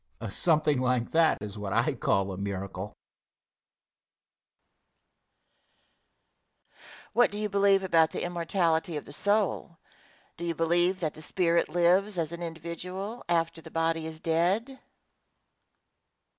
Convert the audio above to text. Something like that is what I call a miracle. Question. What do you believe about the immortality of the soul? Do you believe that the spirit lives as an individual after the body is dead?